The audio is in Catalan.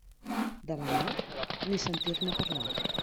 De la mar, ni sentir-ne parlar.